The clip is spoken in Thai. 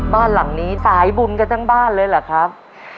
บ้านหลังนี้สายบุญกันทั้งบ้านเลยเหรอครับ